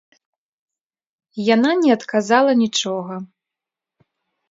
Яна не адказала нічога.